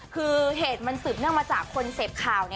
คือเหตุมันสืบเนื่องมาจากคนเสพข่าว